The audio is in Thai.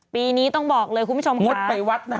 ปีนี้ต้องบอกเลยคุณผู้ชมค่ะ